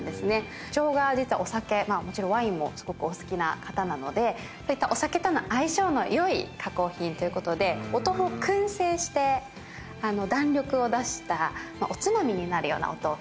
社長が実はお酒ワインもすごくお好きな方なのでそういったお酒との相性の良い加工品ということでお豆腐を燻製して弾力を出したおつまみになるようなお豆腐をご紹介したいと思います。